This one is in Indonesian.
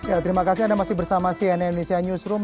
ya terima kasih anda masih bersama cnn indonesia newsroom